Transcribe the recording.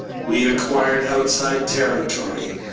We acquired outside territory.